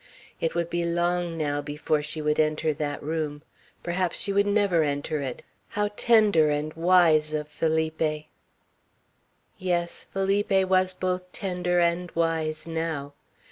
It would be long now before she would enter that room. Perhaps she would never enter it. How tender and wise of Felipe! Yes; Felipe was both tender and wise, now.